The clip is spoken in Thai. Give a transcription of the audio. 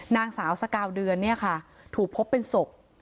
นางสาวสกาลเดือนถูกพบเป็นศก